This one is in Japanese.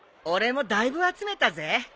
俺もだいぶ集めたぜ。